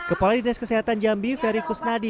kepala dinas kesehatan jambi ferry kusnadi